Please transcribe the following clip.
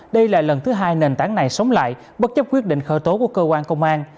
đây là lần thứ hai nền tảng này sống lại bất chấp quyết định khởi tố của cơ quan công an